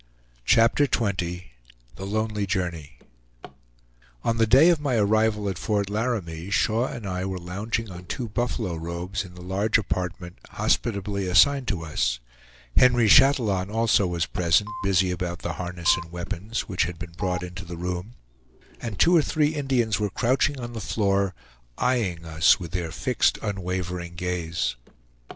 CHAPTER XX THE LONELY JOURNEY On the day of my arrival at Fort Laramie, Shaw and I were lounging on two buffalo robes in the large apartment hospitably assigned to us; Henry Chatillon also was present, busy about the harness and weapons, which had been brought into the room, and two or three Indians were crouching on the floor, eyeing us with their fixed, unwavering gaze.